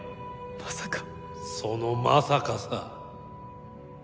まさかそのまさかさ